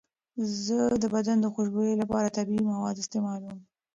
زه د بدن د خوشبویۍ لپاره طبیعي مواد استعمالوم.